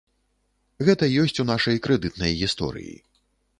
Гэта ёсць у нашай крэдытнай гісторыі.